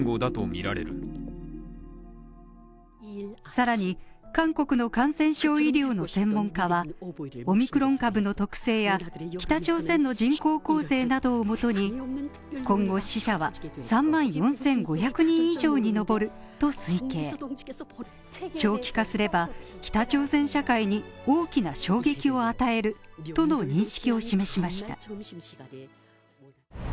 さらに韓国の感染症医療の専門家はオミクロン株の特性や北朝鮮の人口構成などをもとに、今後死者は３万４５００人以上に上ると推計長期化すれば、北朝鮮社会に大きな衝撃を与えるとの認識を示しました。